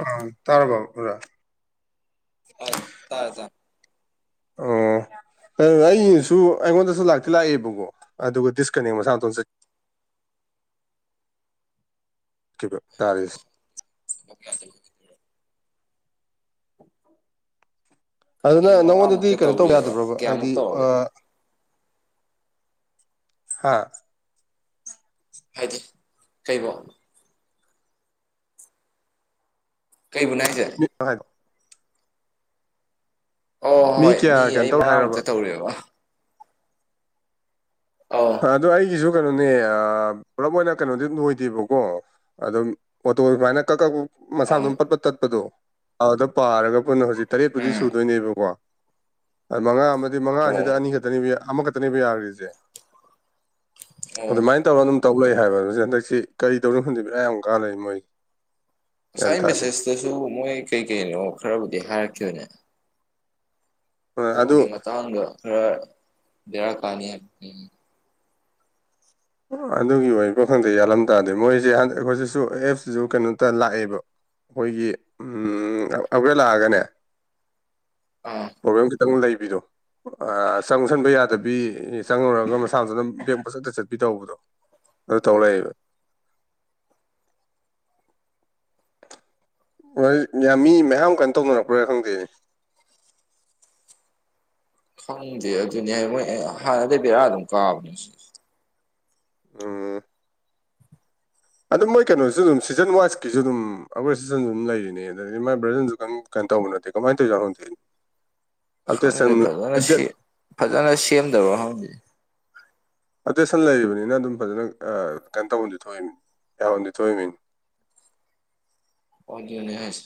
ꯑ ꯇꯔꯔꯕ ꯎꯥ ꯇꯥꯏ ꯇꯥꯔꯦ ꯇꯥꯔꯦ ꯑꯣ ꯑꯩꯁꯨ ꯑꯩꯉꯣꯟꯗꯁꯨ ꯂꯥꯛꯇꯤ ꯂꯥꯛꯑꯦꯕꯀꯣ ꯑꯗꯨꯒ ꯗꯤꯁꯀꯅꯦꯛ ꯃꯁꯥꯇꯣꯝ ꯆꯠꯀꯦ ꯆꯠꯈꯤꯕ ꯇꯥꯔꯁꯦ ꯌꯥꯗ ꯑꯗꯨꯅ ꯑꯩ ꯃꯉꯥꯃꯨꯛꯇ ꯅꯪꯉꯣꯟꯗꯗꯤ ꯀꯩꯅꯣ ꯇꯧꯕ ꯇꯧꯔꯦꯕ ꯌꯥꯗꯕ꯭ꯔꯕ ꯍꯥꯏꯗꯤ ꯀꯌꯥꯃꯨꯛ ꯇꯧꯔꯒꯦ ꯍꯥꯥ ꯍꯥꯏꯗꯤ ꯀꯔꯤꯕꯣ ꯀꯩꯕꯨꯅꯅꯥꯗꯔꯦ ꯉꯒꯣ ꯑꯣ ꯍꯣꯏ ꯍꯣꯏ ꯃꯤ ꯀꯌꯥ ꯀꯩꯅꯣ ꯑꯩ ꯇꯧ ꯍꯥꯏꯔꯕ ꯃꯉꯥꯃꯨꯛꯇ ꯇꯧꯔꯦꯕ ꯑꯥ ꯑꯗꯣ ꯑꯩꯒꯤꯁꯨ ꯀꯩꯅꯣꯅꯦ ꯄꯨꯂꯞ ꯑꯣꯏꯅ ꯀꯩꯅꯣꯗꯤ ꯂꯣꯏꯗꯦꯕꯀꯣ ꯑ ꯑꯗꯨ ꯑꯣ ꯃꯅ ꯀ ꯀ ꯃꯁꯥ ꯑꯧ ꯑꯗꯨꯝ ꯄꯠꯄ ꯇꯠꯄꯗꯣ ꯑꯗꯨꯗ ꯄꯥꯔꯒ ꯄꯨꯣꯏꯟꯅ ꯍꯧꯖꯤꯛ ꯇꯔꯦꯠꯄꯨꯗꯤ ꯎꯝ ꯁꯨꯗꯣꯏꯅꯦꯕꯀꯣ ꯃꯉꯥ ꯑꯃꯗꯤ ꯑꯣ ꯃꯉꯥꯁꯤꯗ ꯑꯅꯤꯈꯛꯇꯅꯦꯕ ꯑꯃꯈꯛꯇꯅꯦꯕ ꯌꯥꯈ꯭ꯔꯤꯁꯦ ꯑꯣ ꯑꯗꯨꯃꯥꯏꯅ ꯇꯧꯔꯒ ꯑꯗꯨꯝ ꯇꯧ ꯂꯩꯛ ꯍꯥꯏꯕ ꯑꯗꯨ ꯍꯟꯗꯛꯁꯤ ꯀꯔꯤ ꯇꯧꯔꯤꯣ ꯈꯟꯖꯤꯕꯤ ꯑꯥ ꯌꯥꯝ ꯀꯥꯟꯅꯩ ꯃꯣꯏꯒꯤ ꯉꯁꯥꯏ ꯃꯦꯁꯦꯁꯇꯁꯨ ꯃꯣꯏ ꯀꯩ ꯀꯩꯅꯣ ꯈꯔꯕꯨꯗꯤ ꯍꯥꯏꯔꯛꯈꯤꯕꯅꯦ ꯑꯗꯨ ꯎꯒꯤ ꯃꯇꯥꯡꯗ ꯈꯔ ꯗꯦꯔꯛ ꯀꯅꯤꯕ ꯎꯝ ꯑꯗꯨꯒꯤ ꯑꯣꯏꯕꯣ ꯈꯪꯗ ꯌꯥꯜꯂꯝ ꯇꯔꯗꯤ ꯃꯣꯏꯁꯦ ꯑꯩꯈꯣꯏꯁꯤꯁꯨ ꯑꯦꯞꯁꯤꯁꯨ ꯀꯩꯅꯣꯇ ꯂꯥꯛꯑꯦꯕ ꯑꯩꯈꯣꯏꯒꯤ ꯎ ꯑꯕ꯭ꯔꯦ ꯂꯥꯛꯑꯒꯅꯦ ꯎꯝ ꯄ꯭ꯔꯣꯕ꯭ꯂꯦꯝ ꯈꯤꯇꯪ ꯂꯩꯕꯤꯗꯣ ꯆꯪꯁꯟꯕ ꯌꯥꯗꯕꯤ ꯆꯪꯉꯨꯔꯒ ꯃꯁꯥ ꯃꯖꯅ ꯕꯦꯡ ꯄ ꯆꯠꯇ ꯆꯠ ꯤ ꯇꯧꯕꯗꯣ ꯑꯗꯨ ꯇꯧꯔꯛꯑꯦꯕ ꯍꯣꯏ ꯌꯥꯝ ꯃꯤ ꯃꯌꯥꯝ ꯀꯩꯅꯣ ꯇꯧꯅꯔꯛꯄ꯭ꯔꯥ ꯈꯪꯗꯦꯅꯦ ꯈꯪꯗꯦ ꯑꯗꯨꯅꯤ ꯍꯥꯏ ꯃꯣꯏ ꯍꯥꯟꯅꯗꯤ ꯕꯦꯔꯥ ꯑꯗꯨꯝ ꯀꯥꯕꯅꯦ ꯑ ꯑꯗꯨꯝ ꯃꯣꯏ ꯀꯩꯅꯣꯁꯨ ꯑꯗꯨꯝ ꯁꯤꯖꯟ ꯋꯥꯏꯁꯀꯤꯁꯨ ꯑꯗꯨꯝ ꯑꯩꯈꯣꯏ ꯁꯤꯖꯟꯁꯨ ꯑꯗꯨꯝ ꯂꯩꯔꯤꯅꯦ ꯑꯗꯨꯗꯗꯤ ꯃꯥꯏ ꯕ꯭ꯔꯖꯟꯁꯨ ꯀꯩꯝ ꯇꯧꯕ ꯅꯠꯇꯦ ꯀꯃꯥꯏꯅ ꯇꯧꯏ ꯖꯥꯠꯅꯣ ꯈꯪꯗꯦ ꯈꯪꯗꯦ ꯑꯟꯇꯦꯁꯇꯥꯏꯟ ꯐꯖꯅ ꯏꯟꯇꯦ__ ꯁꯤ ꯐꯖꯅ ꯁꯦꯝꯗꯕ꯭ꯔꯥ ꯈꯪꯗꯦ ꯑꯇꯦꯁꯟ ꯂꯩꯔꯤꯕꯅꯤꯅ ꯑꯗꯨꯝ ꯐꯖꯅ ꯑ ꯀꯩꯟ ꯇꯧꯕꯝꯗꯤ ꯊꯣꯛꯏꯝꯅꯤ ꯌꯥꯕꯝꯗꯤ ꯊꯣꯛꯏꯝꯅꯤ ꯑꯣꯗꯨꯅꯦ ꯍꯥꯏꯁꯦ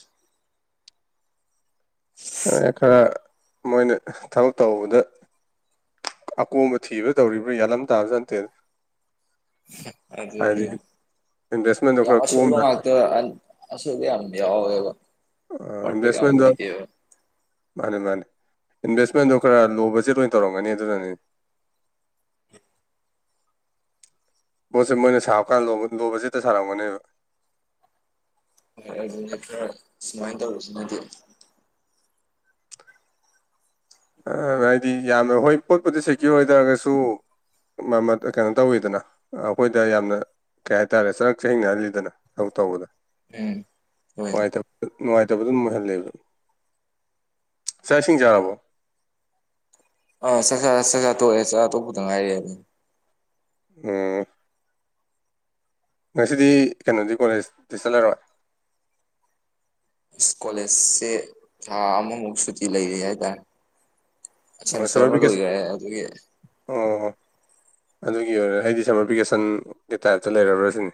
[unintelligible] [unintelligible] ꯈꯔ ꯃꯣꯏꯅ ꯊꯕꯛ ꯇꯧꯕꯗ ꯑꯀꯣꯝꯕ ꯊꯤꯕꯗ ꯇꯧꯔꯤꯕ꯭ꯔꯥ ꯒ꯭ꯌꯥꯟ ꯑꯝ ꯇꯥꯕ ꯖꯥꯠ ꯅꯠꯇꯦꯗ [unintelligible] ꯑꯗꯨꯅꯦ ꯍꯥꯏꯗꯤ ꯏꯟꯚꯦꯁꯃꯦꯟꯗꯣ ꯌꯥꯝ ꯈꯔ ꯑꯁꯣꯏꯕ ꯀꯣꯝꯅ ꯉꯥꯛꯇ ꯑꯟ__ ꯑꯁꯣꯏꯕ ꯌꯥꯝ ꯌꯥꯎꯋꯦꯕ ꯑ ꯄꯔꯐꯦꯛ ꯌꯥꯝ ꯏꯟꯚꯦꯁꯃꯦꯟꯗ ꯑꯣꯏꯗꯦꯕ ꯃꯥꯅꯦ ꯃꯥꯅꯦ ꯏꯟꯚꯦꯁꯃꯦꯟꯗꯣ ꯈꯔ ꯂꯣ ꯕꯖꯦꯠ ꯑꯣꯏꯅ ꯇꯧꯔꯝꯒꯅꯤ ꯑꯗꯨꯅꯅꯤ ꯄꯣꯠꯁꯦ ꯃꯣꯏꯅ ꯁꯥꯔꯛꯀꯥꯟ ꯂꯣꯕ ꯕꯖꯦꯠꯇ ꯁꯥꯔꯝꯒꯅꯦꯕ ꯍꯣꯏ ꯑꯗꯨꯅꯦ ꯈꯔ ꯁꯨꯃꯥꯏꯅ ꯇꯧꯕꯁꯤꯃꯗꯤ ꯑ ꯍꯥꯏꯗꯤ ꯌꯥꯝꯅ ꯍꯣꯏ ꯄꯣꯠꯄꯨꯗꯤ ꯁꯦꯀ꯭ꯌꯣꯔ ꯑꯣꯏ ꯑꯇꯥꯔꯒꯁꯨ ꯃꯥꯟꯅꯞ ꯑꯀꯩꯅꯣ ꯇꯧꯋꯤꯗꯅ ꯑꯩꯈꯣꯏꯗ ꯌꯥꯝꯅ ꯀꯩ ꯍꯥꯏꯇꯥꯔꯦ ꯆꯔꯛ ꯆꯍꯤꯡꯅꯍꯜꯂꯤꯗꯅ ꯊꯕꯛ ꯇꯧꯕꯗ ꯎꯝ ꯍꯣꯏ ꯅꯨꯡꯉꯥꯏꯇꯕ__ ꯅꯨꯡꯉꯥꯏꯇꯕꯗꯨꯝ ꯑꯣꯏꯍꯜꯂꯦꯕ ꯆꯥꯛ ꯏꯁꯤꯡ ꯆꯥꯔꯕꯣ ꯑꯥ ꯆꯥꯛꯆꯥꯔꯦ ꯆꯥꯛꯆꯥ ꯇꯣꯛꯑꯦ ꯆꯥꯛꯆꯥ ꯇꯣꯛꯄꯗ ꯉꯥꯏꯔꯤ ꯍꯧꯖꯤꯛ ꯎꯝ ꯉꯁꯤꯗꯤ ꯀꯩꯅꯣꯗꯤ ꯀꯣꯂꯦꯖꯇꯤ ꯆꯠꯂꯔꯣꯏ ꯑꯁ ꯀꯣꯂꯦꯖꯁꯦ ꯊꯥ ꯑꯃꯃꯨꯛ ꯁꯨꯇꯤ ꯂꯩꯔꯤ ꯍꯥꯏꯇꯥꯔꯦ ꯑꯣ ꯁꯦꯃꯤꯁꯇꯔ ꯁꯃꯔ ꯑꯃ ꯚꯦꯀꯦꯁꯟ ꯂꯣꯏꯈ꯭ꯔꯦ ꯑꯗꯨꯒꯤ ꯑꯣ ꯑꯣ ꯑꯗꯨꯒꯤ ꯑꯣꯏꯔꯦ ꯑꯩꯗꯤ ꯁꯝꯃꯔ ꯚꯦꯀꯦꯁꯟꯒꯤ ꯇꯥꯏꯞꯇ ꯂꯩꯔꯕ꯭ꯔꯥ ꯁꯤꯅꯤ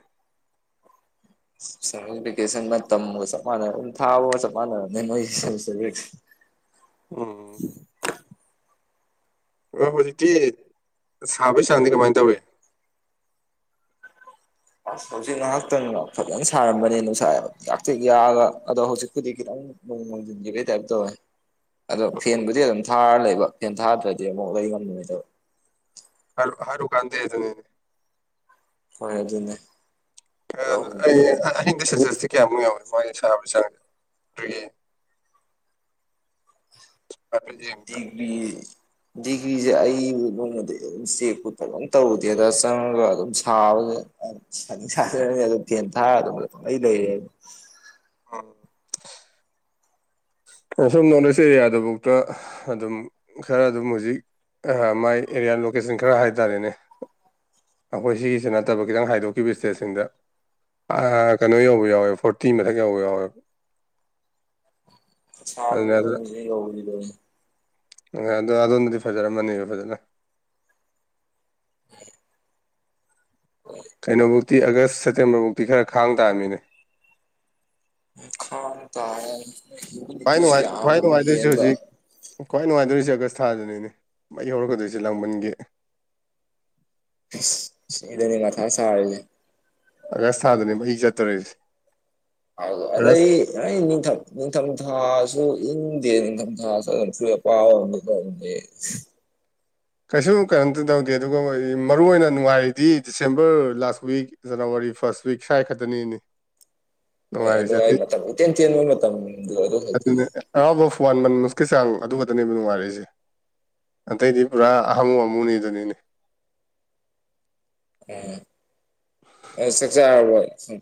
ꯁꯝꯃꯔ ꯚꯦꯀꯦꯁꯟ ꯃꯇꯝꯒ ꯆꯞ ꯃꯥꯟꯅ ꯑꯗꯨꯝ ꯊꯥꯕꯒ ꯆꯞ ꯃꯥꯟꯅꯔꯕꯅꯦ ꯃꯣꯏꯒꯤ ꯁꯦꯃꯤꯁꯇꯔ ꯋꯤꯛ__ [inaudible] ꯎꯝ [unintelligible] ꯑꯣ ꯍꯧꯖꯤꯛꯇꯤ ꯁꯥꯕꯩ ꯆꯥꯡꯗꯤ ꯀꯃꯥꯏ ꯇꯧꯔꯤ ꯑꯁ ꯍꯧꯖꯤꯛ ꯉꯥꯏꯍꯥꯛꯇꯪ ꯐꯖꯅ ꯁꯥꯔꯝꯕꯅꯦ ꯅꯨꯡꯁꯥꯏꯕ ꯌꯥꯝꯇ꯭ꯔꯤꯛ ꯌꯥꯛꯑꯒ ꯑꯗꯣ ꯍꯧꯖꯤꯛꯄꯨꯗꯤ ꯈꯤꯇꯪ ꯅꯣꯡ ꯃꯪꯖꯤꯟꯒꯤ ꯕꯩ ꯇꯥꯏꯞ ꯇꯧꯋꯦ ꯑꯗꯣ ꯑꯣ ꯐꯦꯟꯕꯨꯗꯤ ꯑꯗꯨꯝ ꯊꯥꯔ ꯂꯩꯕ ꯐꯦꯟ ꯊꯥꯗ꯭ꯔꯗꯤ ꯑꯃꯨꯛ ꯂꯩ ꯉꯝꯅꯗꯕ ꯍꯥꯔꯨꯛ ꯍꯥꯔꯨꯀꯥꯟꯗꯦꯗꯨ ꯅꯤꯅꯦ ꯍꯣꯏ ꯑꯗꯨꯅꯦ ꯑꯌ ꯅ ꯑꯗꯨꯝ ꯑꯩ ꯑ ꯑꯍꯤꯡꯗ ꯁꯦꯜꯁꯤꯌꯁꯇꯤ ꯌꯥꯃꯨꯛ ꯌꯥꯎꯋꯤ ꯃꯥꯒꯤ [unintelligible] ꯁꯦ ꯗ꯭ꯔꯤꯒꯤ__ ꯍꯥꯏꯐꯦꯠ ꯌꯦꯡꯕꯗ ꯗꯤꯒ꯭ꯔꯤ ꯗꯤꯒ꯭ꯔꯤꯁꯦ ꯑꯩꯕꯨ ꯅꯣꯡꯃꯇ ꯑꯗꯨꯝ ꯆꯦꯛꯄꯨ ꯑꯗꯨꯝ ꯇꯧꯔꯨꯗꯦꯗ ꯆꯪꯉꯒ ꯑꯗꯨꯝ ꯁꯥꯕꯒ ꯑ__ ꯁꯥꯅꯤꯡ ꯁꯥꯖꯅꯣꯗ ꯑꯗꯨꯝ ꯐꯦꯟ ꯊꯥꯔ ꯑꯗꯨꯝ ꯄꯪꯂꯩ ꯂꯩꯔꯦꯗ__ ꯍꯣꯍꯣꯏ ꯑꯁꯣꯝ ꯅꯣꯔꯠ ꯏꯁ ꯑꯦꯔꯤꯌꯥꯗꯕꯧꯇ ꯑꯗꯨꯝ ꯈꯔ ꯑꯗꯨꯝ ꯍꯧꯖꯤꯛ ꯑꯍ ꯃꯥꯏ ꯑꯦꯔꯤꯌꯥ ꯂꯣꯀꯦꯁꯟ ꯈꯔ ꯍꯥꯏꯇꯥꯔꯦꯅꯦ ꯑꯩꯈꯣꯏ ꯁꯤꯒꯤꯁꯦ ꯅꯠꯇꯕ ꯈꯤꯇꯪ ꯍꯥꯏꯗꯣꯛꯈꯤꯕ ꯏꯁꯇꯦꯠꯁꯤꯡꯗ ꯑꯥ ꯀꯩꯅꯣ ꯌꯧꯕ ꯌꯥꯎꯋꯦ ꯐꯣꯔꯇꯤ ꯃꯊꯛ ꯌꯧꯕ ꯌꯥꯎꯋꯦꯕ ꯑꯗꯨꯅ ꯑꯊꯥꯕꯅꯤꯅ ꯑꯗꯨ ꯍꯧꯖꯤꯛ ꯌꯧꯔꯝꯗꯧꯅꯦ ꯑꯍꯣꯏ ꯑꯗꯣ ꯑꯗꯨꯅꯗꯤ ꯐꯖꯔꯝꯃꯅꯦꯕ ꯐꯖꯅ [unintelligible] ꯀꯩꯅꯣꯐꯧꯇꯤ ꯑꯥꯒꯁ ꯁꯦꯞꯇꯦꯝꯕꯔꯐꯧꯗꯤ ꯈꯔ ꯈꯥꯡ ꯇꯥꯝꯅꯤꯅꯦ ꯈꯥꯡ ꯇꯥꯔꯦ [unintelligible] ꯈ꯭ꯋꯥꯏ ꯅꯨꯡꯉꯥꯏ ꯈ꯭ꯋꯥꯏ ꯅꯨꯡꯉꯥꯏꯗꯣꯏꯁꯤ ꯍꯧꯖꯤꯛ ꯈ꯭ꯋꯥꯏ ꯅꯨꯡꯉꯥꯏꯗꯣꯏꯁꯦ ꯑꯥꯒꯁ ꯊꯥꯖꯤꯅꯤꯅꯦ ꯃꯩ ꯍꯧꯔꯛꯀꯗꯣꯏꯁꯦ ꯂꯥꯡꯕꯟꯒꯤ ꯍꯁ ꯑꯗꯨꯅꯦ ꯃꯊꯥ ꯁꯥꯔꯤꯖꯦ ꯑꯥꯒꯁ ꯊꯥꯗꯅꯦ ꯃꯍꯤ ꯆꯠꯇꯣꯔꯤꯖꯦ ꯍꯥꯎ ꯑꯗ ꯑꯩ ꯌꯥ ꯅꯤꯡꯊꯝ ꯅꯤꯡꯊꯝꯊꯥꯁꯨ ꯏꯪꯗꯦ ꯅꯤꯡꯊꯝꯊꯥꯁꯨ ꯑꯗꯨꯝ ꯁ ꯑ ꯄ ꯗꯤ ꯀꯩꯁꯨ ꯀꯩꯅꯝꯇ ꯇꯧꯗꯦ ꯑꯗꯨꯒ ꯃꯔꯨ ꯑꯣꯏꯅ ꯅꯨꯡꯉꯥꯏꯔꯤꯗꯤ December last week January first week ꯁ꯭ꯋꯥꯏ ꯈꯛꯇꯅꯤꯅꯤ ꯍꯣꯏ ꯑꯗꯨꯣ ꯑꯩ ꯃꯇꯝ ꯏꯇꯦꯟ ꯇꯦꯟꯕꯒꯤ ꯃꯇꯝꯗꯨ ꯑꯗꯨ ꯍꯛꯇꯅꯤ ꯑꯍꯥꯎꯕ ꯋꯥꯟ ꯃꯟ ꯃꯨꯁꯀꯤ ꯆꯥꯡ ꯑꯗꯨꯒꯗꯅꯦꯕ ꯅꯨꯡꯉꯥꯏꯔꯛꯏꯁꯦ ꯑꯇꯩꯗꯤ ꯄꯨꯔꯥ ꯑꯍꯃꯨ ꯑꯃꯨꯅꯤꯗꯅꯅꯦ ꯎꯝ ꯆꯁ ꯍꯥꯏ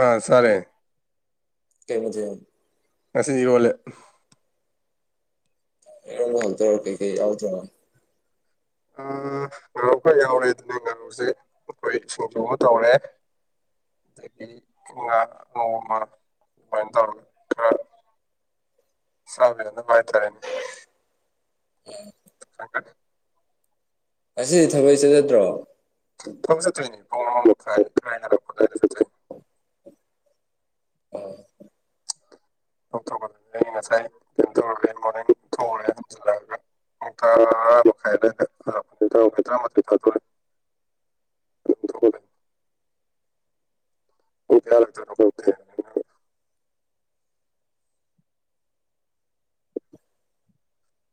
ꯑꯥ ꯁꯔꯦ ꯀꯩꯕ ꯉꯁꯣꯂꯦ ꯑꯦ ꯍꯜ ꯇꯔ ꯑꯧ ꯆ ꯑ ꯉꯥꯔꯨ ꯈꯔ ꯌꯥꯎꯔꯦ ꯑꯗꯨꯅꯦ ꯉꯥꯔꯨꯁꯦ ꯑꯩꯈꯣꯏ ꯁꯨꯝ ꯁꯨꯕ ꯇꯧꯔꯦ ꯑꯗꯒꯤ ꯉꯥ ꯅꯣꯡꯃ ꯑꯗꯨꯃꯥꯏꯅ ꯇꯧꯔꯒ ꯈꯔ ꯁꯥꯎꯅ ꯃꯥꯏꯇꯔꯅꯤ ꯑꯁꯤꯗꯤ ꯊꯕꯩ ꯆꯠꯠꯇꯗ꯭ꯔꯣ ꯊꯧ ꯆꯖꯇꯅꯤ ꯄꯈꯥꯏ ꯔꯥꯏꯅꯔꯖ ꯎꯝ ꯊꯣꯛꯄꯗ ꯑꯩ ꯉꯁꯥꯏ ꯀꯟꯊꯔꯦ ꯃꯣꯔ ꯊꯣꯛꯎꯔꯦ ꯑꯗꯨꯝꯁꯤꯜꯂꯛꯑꯒ ꯑ ꯃꯈ ꯈꯥꯏꯗ꯭ꯔ ꯑꯣꯀꯌꯥꯂ ꯇꯔꯣꯦ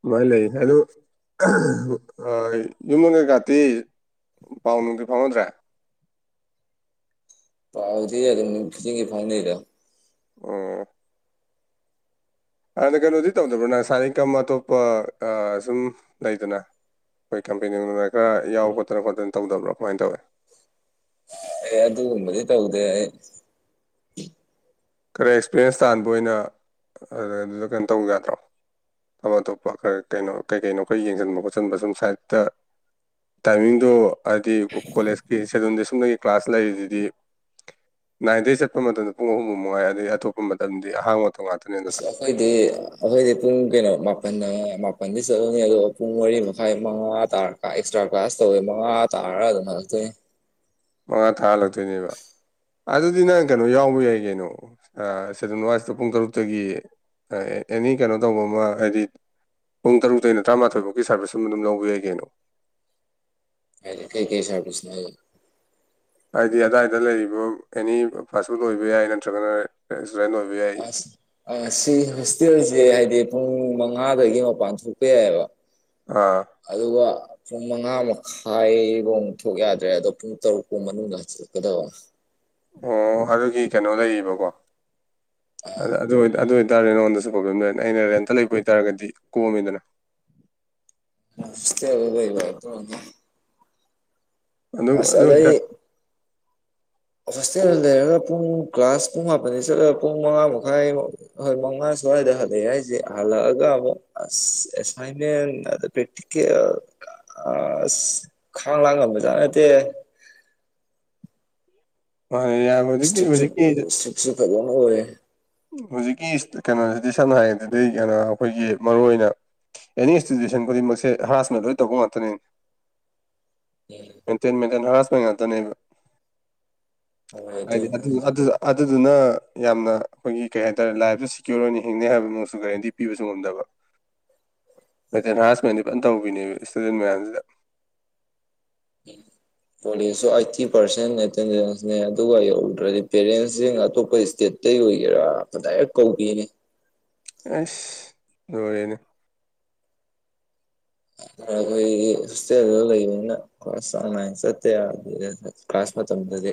ꯑꯗꯨꯃꯥꯏꯅ ꯂꯩ ꯑꯗꯣ ꯌꯨꯝꯒ ꯥꯇꯤ ꯄꯥꯎꯅꯨꯡꯗꯤ ꯐꯥꯎꯅꯗ꯭ꯔꯦ ꯄꯥꯎꯗꯤ ꯑꯗꯨꯝ ꯖꯤꯡꯒꯤ ꯐꯥꯎꯅꯩꯗ ꯎ ꯑꯗꯨꯅ ꯀꯩꯅꯣꯗꯤ ꯇꯧꯗꯕ꯭ꯔꯅ ꯁꯥꯔꯤꯀꯝ ꯑꯇꯣꯞꯄ ꯁꯨꯝ ꯂꯩꯗꯅ ꯑꯩꯈꯣꯏ ꯀꯝꯄꯦꯅꯤꯅ ꯈꯔ ꯌꯥꯎ ꯈꯣꯠꯇꯅ ꯈꯣꯠꯇꯅ ꯇꯧꯗꯕ꯭ꯔꯥ ꯀꯃꯥꯏꯅ ꯇꯧꯋꯦ ꯑꯦ ꯑꯗꯨꯒꯨꯝꯕꯗꯤ ꯇꯧꯗꯦ ꯑꯩ ꯈꯔ ꯑꯦꯛꯁꯄꯤꯔꯦꯟꯁ ꯇꯥꯟꯕ ꯑꯣꯏꯅ ꯑꯗꯨꯗ ꯑꯗꯨꯗ ꯀꯩꯅꯣ ꯇꯧꯕ ꯌꯥꯗ꯭ꯔꯣ ꯑꯇꯣꯞ ꯑꯇꯣꯞꯄ ꯈꯔ ꯀꯩꯅꯣ ꯀꯩ ꯀꯩꯅꯣ ꯑꯩꯈꯣꯏ ꯌꯦꯡꯁꯤꯟꯕ ꯈꯣꯠꯆꯟꯕ ꯁꯨꯝ ꯁꯥꯏꯗꯠꯇ ꯇꯃꯤꯡꯗꯨ ꯑꯗꯨꯗꯤ ꯀꯣꯂꯦꯖ ꯁꯦꯗꯨꯜꯗꯤ ꯁꯨꯞꯅꯒꯤ ꯀ꯭ꯂꯥꯁ ꯂꯩꯔꯤꯁꯤꯗꯤ ꯅꯥꯏꯟꯗꯒꯤ ꯆꯠꯄ ꯃꯇꯝꯗ ꯄꯨꯡ ꯑꯍꯨꯝꯃꯨꯛ ꯅꯨꯡꯉꯥꯏ ꯑꯗꯩ ꯑꯇꯣꯞꯄ ꯃꯇꯝꯗꯤ ꯑꯍꯥꯡꯕꯛꯇ ꯉꯥꯛꯇꯅꯦ ꯑꯁ ꯑꯗꯨꯅ ꯑꯩꯈꯣꯏꯗꯤ ꯑꯩꯈꯣꯏꯗꯤ ꯄꯨꯡ ꯀꯩꯅꯣ ꯃꯥꯄꯟ ꯃꯥꯄꯟꯗꯤ ꯆꯠꯂꯨꯅꯤ ꯑꯗꯨꯒ ꯄꯨꯡ ꯃꯔꯤ ꯃꯈꯥꯏ ꯃꯉꯥ ꯇꯥꯔꯦ ꯑꯦꯛꯁꯇ꯭ꯔꯥ ꯀ꯭ꯂꯥꯁ ꯇꯧꯋꯦ ꯃꯉꯥ ꯇꯥꯔ ꯑꯗꯨꯝ ꯍꯛꯇꯦ ꯃꯉꯥ ꯊꯥꯜꯂꯛꯇꯣꯏꯅꯦꯕ ꯑꯗꯨꯗꯤ ꯅꯪ ꯀꯩꯅꯣ ꯌꯥꯎꯕ ꯌꯥꯏ ꯀꯩꯅꯣ ꯁꯦꯗꯨꯜ ꯋꯥꯁꯇ ꯄꯨꯡ ꯇꯔꯨꯛꯇꯒꯤ ꯑꯦꯅꯤ ꯀꯩꯅꯣ ꯇꯧꯕ ꯑꯃ ꯍꯥꯏꯗꯤ ꯄꯨꯡ ꯇꯔꯨꯛꯇꯩꯩꯅ ꯇꯔꯥꯃꯥꯊꯣꯏꯐꯥꯎꯒꯤ ꯁꯥꯔꯚꯤꯁꯁ ꯑꯃ ꯑꯗꯨꯝ ꯂꯧꯕ ꯌꯥꯩ ꯀꯩꯅꯣ ꯀꯩ ꯀꯩ ꯁꯔꯕꯤꯁ ꯂꯩ ꯍꯥꯏꯗꯤ ꯑꯗꯥꯏꯗ ꯂꯩꯔꯤꯕ ꯑꯦꯅꯤ ꯐꯥꯁ ꯐꯨꯗ ꯑꯣꯏꯕ ꯌꯥꯏ ꯅꯠꯇ꯭ꯔꯒꯅ ꯔꯦꯁꯇꯨꯔꯦꯟ ꯑꯣꯏꯕ ꯌꯥꯏ ꯑꯁ ꯑ ꯁꯤ ꯍꯣꯁꯇꯦꯜꯁꯦ ꯍꯥꯏꯗꯤ ꯄꯨꯡ ꯃꯉꯥꯗꯒꯤ ꯃꯄꯥꯟ ꯊꯣꯛꯄ ꯌꯥꯏꯑꯕ ꯑꯥ ꯑꯗꯨꯒ ꯄꯨꯡ ꯃꯉꯥ ꯃꯈꯥꯏꯐꯧꯛ ꯊꯣꯛ ꯌꯥꯗ꯭ꯔꯦ ꯑꯗꯣ ꯄꯨꯡ ꯇꯔꯨꯛ ꯐꯥꯎ ꯃꯅꯨꯡꯗ ꯗꯣ ꯑꯣ ꯍꯕꯒꯤ ꯀꯩꯅꯣ ꯂꯩꯔꯤꯕꯕꯀꯣ ꯑ ꯑꯗꯨ ꯑꯣꯏꯇꯥꯔꯦ ꯅꯉꯣꯟꯗꯁꯨꯨꯝ ꯄ꯭ꯔꯣꯕ꯭ꯂꯦꯝ ꯂꯩ ꯑꯩꯅ ꯔꯦꯟꯇ ꯂꯩꯕ ꯑꯣꯏꯇꯥꯔꯒꯗꯤ ꯀꯣꯝꯃꯤꯗꯅ ꯅꯁꯦ ꯑꯗꯨꯗꯩꯕ ꯑꯗꯨ ꯑꯗꯨ ꯑꯗꯩ ꯑꯣꯏꯇꯥ ꯍꯣꯁꯇꯦꯜꯗ ꯂꯩꯔꯒ ꯄꯨꯡ ꯀ꯭ꯂꯥꯁ ꯄꯨꯡ ꯃꯥꯄꯟꯗ ꯆꯠꯂꯒ ꯄꯨꯡ ꯃꯉꯥ ꯃꯈꯥꯏ ꯍꯣꯏ ꯃꯉꯥ ꯁ꯭ꯋꯥꯏꯗ ꯍꯜꯂꯛꯑꯦ ꯍꯥꯏꯁꯦ ꯍꯜꯂꯛꯑꯒ ꯑꯃꯨꯛ ꯑꯁ ꯑꯦꯁꯥꯏꯟꯃꯦꯟ ꯑꯁ ꯈꯥꯡ ꯂꯥꯡ ꯉꯝꯕꯖꯥꯠ ꯅꯠꯇꯦ ꯃꯥꯅꯦ ꯌꯥ ꯍꯧꯖꯤꯛꯀꯤ ꯍꯧꯖꯤꯛꯀꯤ ꯁꯤ ꯐꯗꯧꯅ ꯑꯣꯏꯌꯦꯦ ꯍꯧꯖꯤꯛꯀꯤ ꯀꯩꯅꯣꯁꯤꯗꯤ ꯁꯝꯅ ꯍꯥꯏꯔꯕꯗꯗꯤ ꯀꯩꯅꯣ ꯑꯩꯈꯣꯏꯒꯤ ꯃꯔꯨ ꯑꯣꯏꯅ ꯑꯦꯅꯤ ꯏꯟꯁꯇꯤꯇ꯭ꯌꯨꯁꯟ ꯈꯨꯗꯤꯡꯃꯛꯁꯦ ꯍꯔꯥꯁꯃ ꯂꯣꯏ ꯇꯧꯕ ꯉꯥꯛꯇꯅꯤꯅꯦ ꯎꯝ ꯃꯦꯟꯇꯦꯟ ꯃꯦꯟꯇꯦꯟ ꯍꯔꯥꯁꯄ ꯉꯥꯛꯇꯅꯦꯕ ꯍꯣꯏ ꯍꯥꯏꯗꯤ ꯑꯗꯨꯅꯤ ꯑꯗꯨꯗꯨ ꯑꯗꯨꯗꯨꯅ ꯌꯥꯝꯅ꯫ ꯑꯩꯈꯣꯏꯒꯤ ꯀꯩ ꯍꯥꯏꯇꯥꯔꯦ ꯂꯥꯏꯐꯇꯨ ꯁꯤꯀꯤꯌꯣꯔ ꯑꯣꯏꯅ ꯍꯤꯡꯅꯤ ꯍꯥꯏꯕꯃꯁꯨ ꯒꯔꯦꯟꯇꯤꯄꯤꯕꯁꯨ ꯉꯝꯗꯕ꯫ ꯃꯦꯟꯇꯦꯟ ꯍꯥꯔꯥꯁꯃꯦꯟꯗꯤ ꯐꯖꯅ ꯇꯧꯕꯤꯅꯦꯕ ꯏꯁꯇꯨꯗꯦꯟ ꯃꯌꯥꯝꯁꯤꯗ꯫ ꯀꯣꯂꯦꯖꯁꯨ ꯑꯥꯏꯠꯇꯤ ꯄꯥꯔꯁꯦꯟ ꯑꯦꯇꯦꯟꯗꯦꯟꯁꯅꯦ ꯑꯗꯨꯒ ꯌꯧꯗ꯭ꯔꯗꯤ ꯄꯦꯔꯦꯟꯁꯁꯤꯡ ꯑꯇꯣꯞꯄ ꯏꯁꯇꯦꯠ꯫ ꯇꯩ ꯑꯣꯏꯒꯦꯔ ꯗꯥꯏꯔꯦꯛ ꯀꯧꯕꯤꯅꯤ꯫ ꯑꯁ ꯅꯣꯔꯦꯅꯦ꯫ ꯑꯩꯈꯣꯏꯗꯤ ꯍꯣꯁꯇꯦꯜꯗ ꯂꯩꯕꯅꯤꯅ꯫ ꯀꯣꯂꯦꯁ ꯆꯥꯡ ꯅꯥꯏꯅ ꯆꯠꯇ ꯌꯥꯗꯦ ꯀꯥꯂꯥꯁ ꯃꯥꯇꯝꯗꯗꯤ꯫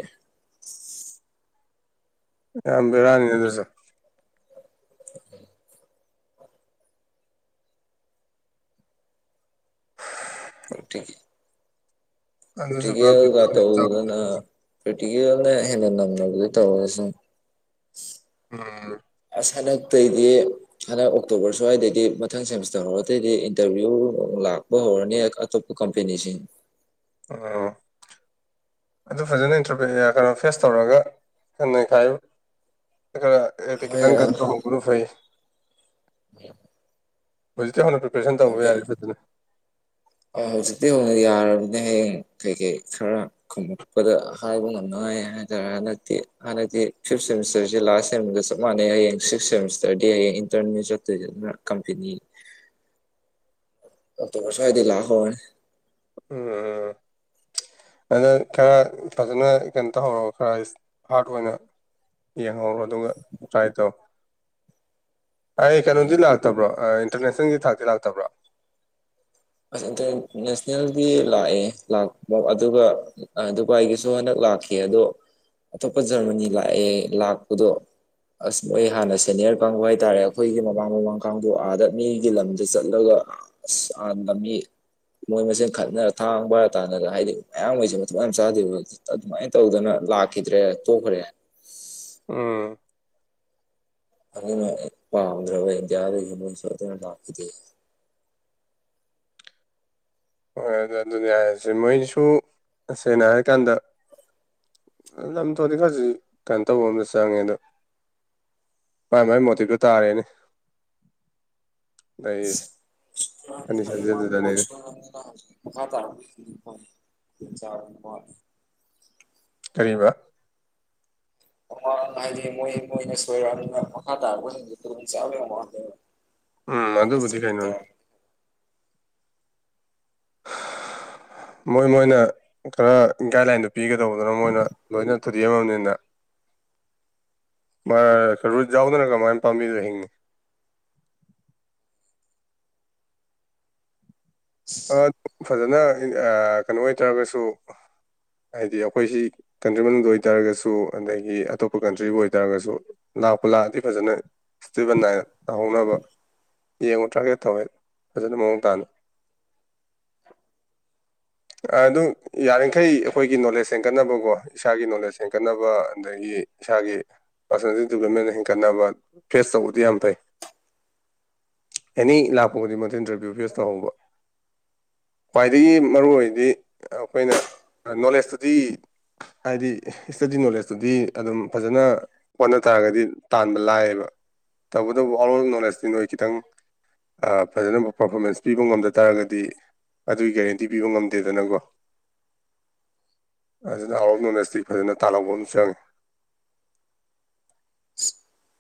ꯌꯥꯝ ꯕꯦꯔꯥꯅꯤ ꯑꯗꯨꯁꯨ꫰꫰ ꯑꯣ꯫ [unintelligible] ꯑꯗꯨꯁꯨ ꯄꯨꯔꯥ ꯄ꯭ꯔꯤꯇꯤꯀꯦꯜꯒ ꯕꯦꯔꯥꯅꯤ ꯇꯧꯗꯅ ꯇꯧꯔꯤꯁꯦ꯫ ꯄ꯭ꯔꯤꯇꯤꯀꯦꯜꯅ ꯍꯦꯟꯅ ꯅꯝꯅꯕꯗꯤ ꯇꯧꯔꯁꯨ꯫ ꯎꯝ ꯑꯁꯥ ꯍꯟꯗꯛꯇꯩꯗꯤ꯫ ꯍꯟꯗꯛ ꯑꯣꯛꯇꯣꯕꯔ ꯁ꯭ꯋꯥꯏꯗꯩꯗꯤ ꯃꯊꯪ ꯁꯦꯃꯤꯁꯇꯔ ꯍꯧꯔꯗꯩꯩꯗꯤ ꯏꯟꯇꯔꯚꯤꯌꯨ ꯂꯥꯛꯄ ꯍꯧꯔꯅꯤ ꯑꯇꯣꯞ ꯀꯝꯄꯦꯅꯤꯁꯤ꯫ ꯑ꯫ ꯑꯗꯨ ꯐꯖꯅ ꯏꯟꯇꯔꯕꯤꯅꯤꯌꯥ ꯀꯩꯅꯣ ꯐꯦꯁ ꯇꯧꯔꯒ ꯀꯟꯅꯩꯈꯥꯏ꯫ [unintelligible] ꯍꯣꯏ ꯈꯤꯇꯪ ꯀꯥꯟꯗ ꯇꯧꯍꯧꯕꯅ ꯐꯩ꯫ ꯍꯧꯖꯤꯛꯇꯩ ꯍꯧꯅ ꯄ꯭ꯔꯤꯄꯦꯔꯦꯁꯟ ꯇꯧꯕ ꯌꯥꯔꯦ ꯐꯖꯅ꯫ ꯑ ꯍꯧꯖꯤꯛꯇꯩ ꯍꯧꯅ ꯌꯥꯔꯕꯅꯦ ꯍꯌꯦꯡ ꯀꯩ ꯀꯩ ꯈꯔ꯫ ꯈꯨꯝꯄꯗ ꯍꯥꯏꯕ ꯉꯝꯅꯉꯥꯏ ꯍꯥꯏꯇꯥꯔꯦ ꯍꯟꯗꯛꯇꯤ ꯍꯟꯗꯛꯇꯤ ꯐꯤꯐ ꯁꯦꯃꯤꯁꯇꯔꯁꯤ ꯂꯥꯔꯁ ꯁꯦꯝꯒ ꯆꯥꯞ ꯃꯥꯥꯟꯅꯦ ꯍꯌꯦꯡ ꯁꯤꯛꯁ ꯁꯦꯃꯤꯁꯇꯔꯗꯤ ꯍꯌꯦꯡ ꯏꯟꯇꯔꯅꯦ ꯆꯠꯇꯣꯏꯁꯦ ꯑꯗꯨꯅ ꯀꯝꯄꯦꯅꯤ꯫ ꯑꯣꯛꯇꯣꯕꯔ ꯁꯋꯥꯏꯗꯒꯤ ꯂꯥꯛ ꯍꯧꯔꯅꯤ꯫ ꯎꯝ꯫ ꯑꯗ ꯈꯔ ꯐꯖꯅ ꯀꯩꯅꯣ ꯇꯧꯍꯧꯔꯒ ꯈꯔ ꯍꯥꯔꯠ ꯑꯣꯏꯅ꯫ ꯌꯦꯡꯍꯧꯔꯣ ꯑꯗꯨꯒ ꯇ꯭ꯔꯥꯏ ꯇꯧ꯫ ꯑꯩ ꯀꯩꯅꯣꯗꯤ ꯎꯝ ꯂꯥꯛꯇꯕ꯭ꯔꯣ ꯏꯟꯇꯔꯅꯦꯁꯅꯦꯜꯒꯤ ꯊꯥꯛꯇꯤ ꯂꯥꯛꯇꯕ꯭ꯔꯣ꯫ ꯑꯁ ꯏꯟꯇꯔ ꯅꯦꯁꯅꯦꯜꯒꯤ ꯂꯥꯛꯑꯦ ꯂꯥꯛꯄ ꯑꯗꯨꯒ꯫ ꯗꯨꯕꯥꯏꯒꯤꯁꯨ ꯍꯟꯗꯛ ꯂꯥꯛꯈꯤ ꯑꯗꯣ ꯑꯇꯣꯞꯄ ꯖꯔꯃꯅꯤ ꯂꯥꯛꯑꯦ ꯂꯥꯛꯄꯗꯣ꯫ ꯑꯁ ꯃꯣꯏ ꯍꯥꯟꯅ ꯁꯦꯅꯤꯌꯔ ꯀꯥꯡꯕꯨ ꯍꯥꯏꯇꯥꯔꯦ ꯑꯩꯈꯣꯏꯒꯤ ꯃꯃꯥꯡ ꯃꯃꯥꯡ ꯀꯥꯡꯕꯨ ꯑꯗ ꯃꯤꯒꯤ ꯂꯝꯗ ꯆꯠꯂꯒ꯫ ꯑꯁ꯫ [unintelligible] ꯃꯣꯏ ꯃꯁꯦꯟ ꯈꯠꯅꯔ ꯊꯥꯡ ꯄꯥꯏꯔꯥ ꯇꯥꯟꯅꯗ ꯍꯥꯏꯗꯤ ꯃꯌꯥꯡꯃꯩꯁꯦ ꯃꯊꯣꯡ ꯌꯥꯝ ꯆꯥꯗꯦꯕ꯫ ꯑꯗꯨꯃꯥꯏꯅ ꯇꯧꯗꯅ ꯂꯥꯛꯈꯤꯗ꯭ꯔꯦ ꯇꯣꯛꯈ꯭ꯔꯦ꯫ ꯎꯝ꫰꫰ ꯑꯗꯨꯅꯅꯦ ꯄꯥꯝꯗ꯭ꯔꯕ꯫ [unintelligible] ꯍꯣꯏ ꯑꯗꯨ ꯑꯗꯨꯅꯦ ꯍꯥꯏꯔꯤꯁꯦ ꯃꯣꯏꯁꯨ ꯇꯁꯦꯡꯅ ꯍꯥꯏꯔꯀꯥꯟꯗ꯫ ꯂꯝꯊꯣꯗꯤ ꯈꯔꯗꯤ ꯀꯩꯅꯣ ꯇꯧꯕ ꯑꯃꯗꯤ ꯆꯪꯉꯦ ꯑꯗꯣ꯫ ꯃꯥꯥꯏ ꯃꯥꯏ ꯃꯣꯇꯤꯚꯇꯣ ꯇꯥꯔꯦꯅꯦ꯫ ꯂꯩꯔꯤꯁꯦ ꯀꯟꯗꯤꯁꯟꯁꯦ ꯑꯗꯨꯗꯅꯦ [inaudible] [unintelligible] ꯀꯔꯤꯕ꯫ ꯃꯃꯥꯡ ꯍꯥꯏꯗꯤ ꯃꯣꯏ ꯃꯣꯏꯅ ꯁꯣꯏꯔꯛꯑꯝꯅꯤꯅ ꯃꯈꯥ ꯇꯥꯔꯛꯄꯁꯤꯡꯗꯤ ꯈꯨꯗꯣꯡ ꯆꯥꯕ ꯌꯥꯝ ꯋꯥꯠꯂꯦꯕ ꯎꯝ ꯃꯣꯏꯅ ꯑꯗꯨꯕꯨꯗꯤ ꯆꯤꯡꯅ ꯀꯩꯅꯣꯅꯤ ꯇꯥꯔꯛ ꯃꯣꯏ ꯃꯣꯏꯅ ꯈꯔ ꯒꯥꯏꯗꯂꯥꯏꯟꯗꯨ ꯄꯤꯒꯗꯧꯕꯗꯨꯅ ꯃꯣꯏꯅ ꯂꯣꯏꯅ ꯊꯨꯗꯦꯛꯑꯝꯃꯝꯅꯤꯅ ꯃꯥ ꯔꯨꯠ ꯌꯥꯎꯗꯅ ꯀꯃꯥꯏꯟ ꯄꯥꯝꯕꯤꯅꯣ ꯍꯤꯡꯉꯤ ꯑ ꯐꯖꯅ ꯑ ꯀꯩꯅꯣ ꯑꯣꯏꯇꯥꯔꯒꯁꯨ ꯍꯥꯏꯗꯤ ꯑꯩꯈꯣꯏꯁꯤ ꯀꯟꯇ꯭ꯔꯤ ꯃꯅꯨꯡꯗ ꯑꯣꯏꯇꯥꯔꯒꯁꯨ ꯑꯗꯒꯤ ꯑꯇꯣꯞꯄ ꯀꯟꯇ꯭ꯔꯤꯕꯨ ꯑꯣꯏꯇꯥꯔꯒꯁꯨ ꯂꯥꯛꯄꯨ ꯂꯥꯛꯑꯗꯤ ꯐꯖꯅ ꯏꯁꯇꯦꯕꯦꯜ ꯅꯥꯏꯅ ꯇꯧꯍꯧꯅꯕ ꯌꯦꯡꯉꯨ ꯇ꯭ꯔꯥꯒꯦꯠ ꯇꯧꯋꯦ ꯐꯖꯅ ꯃꯑꯣꯡ ꯇꯥꯅ ꯑꯗꯨ ꯌꯥꯔꯤꯈꯩ ꯑꯩꯈꯣꯏꯒꯤ ꯅꯣꯂꯦꯖ ꯍꯦꯟꯒꯠꯅꯕꯀꯣ ꯏꯁꯥꯒꯤ ꯅꯣꯂꯦꯖ ꯍꯦꯟꯒꯠꯅꯕ ꯑꯗꯒꯤ ꯏꯁꯥꯒꯤ ꯄꯥꯔꯁꯣꯅꯦꯜ ꯗꯤꯕꯂꯞꯃꯦꯟ ꯍꯦꯟꯒꯠꯅꯕ ꯐꯦꯁ ꯇꯧꯕꯗꯤ ꯌꯥꯝ ꯐꯩ ꯑꯦꯅꯤ ꯂꯥꯛꯄ ꯈꯨꯗꯤꯡꯃꯛꯇ ꯏꯟꯇꯔꯚꯤꯌꯨ ꯐꯦꯁ ꯇꯧꯍꯧꯕ ꯈ꯭ꯋꯥꯏꯗꯒꯤ ꯃꯔꯨꯑꯣꯏꯔꯤꯗꯤ ꯑꯩꯈꯣꯏꯅ ꯅꯣꯂꯦꯖꯇꯨꯗꯤ ꯍꯥꯏꯗꯤ ꯏꯁꯇꯗꯤ ꯅꯣꯂꯦꯖꯇꯨꯗꯤ ꯑꯗꯨꯝ ꯐꯖꯅ ꯍꯣꯠꯅ ꯇꯥꯔꯒꯗꯤ ꯇꯥꯟꯕ ꯂꯥꯏꯌꯦꯕ ꯇꯧꯕꯇꯕꯨ ꯑꯥꯎꯠ ꯑꯣꯐ ꯅꯣꯂꯦꯖꯇꯤ ꯅꯣꯏ ꯈꯤꯇꯪ ꯑ ꯐꯖꯅ ꯄꯔꯐꯣꯔꯃꯦꯟꯁ ꯄꯤꯕ ꯉꯝꯗ ꯇꯥꯔꯒꯗꯤ ꯑꯗꯨꯒꯤ ꯒꯦꯔꯦꯟꯇꯤ ꯄꯤꯕ ꯉꯝꯗꯦꯗꯅꯀꯣ ꯑꯗꯨꯅ ꯑꯥꯎꯠ ꯑꯣꯐ ꯅꯣꯂꯦꯖꯇꯤ ꯐꯖꯅ ꯇꯥꯜꯍꯧꯕ ꯑꯃ ꯆꯪꯉꯤ [unintelligible]